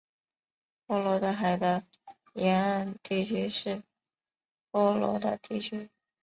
波罗的海的沿岸地区是波罗的地区。